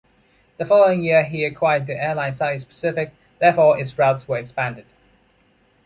The following year he acquired the airline Southeast Pacific, therefore its routes were expanded.